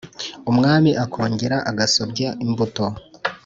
umwam akongera agasubya imbúto